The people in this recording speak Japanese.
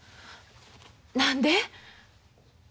何で？